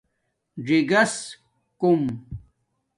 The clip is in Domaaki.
ِژِگس کُوم